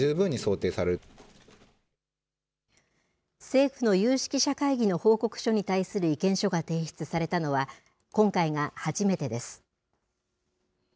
政府の有識者会議の報告書に対する意見書が提出されたのは、今回が初めてです。